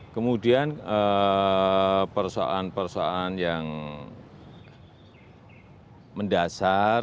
kemudian perusahaan perusahaan yang mendasar